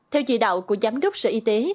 theo chỉ đạo của giám đốc sở y tế